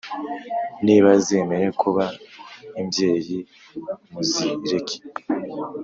Niba zemeye kuba imbyeyi muzireke